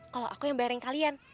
kalau aku yang bayarin kalian